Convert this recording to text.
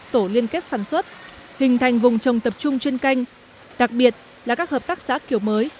tổ liên kết sản xuất hình thành vùng trồng tập trung chuyên canh đặc biệt là các hợp tác xã kiểu mới